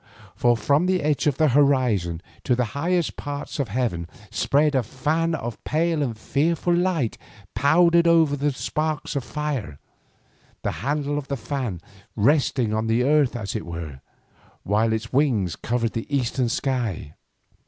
For from the edge of the horizon to the highest parts of heaven spread a fan of pale and fearful light powdered over with sparks of fire, the handle of the fan resting on the earth as it were, while its wings covered the eastern sky.